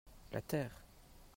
La terre.